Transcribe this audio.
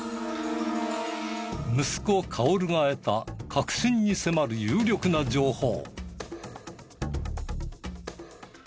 息子薫が得た核心に迫る有力な情報。